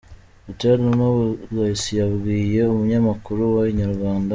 Butera Knowless yabwiye umunyamakuru wa Inyarwanda.